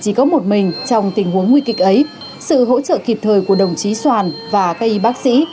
chỉ có một mình trong tình huống nguy kịch ấy sự hỗ trợ kịp thời của đồng chí soàn và các y bác sĩ